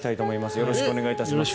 よろしくお願いします。